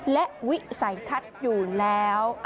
และวิสัยทัศน์อยู่แล้ว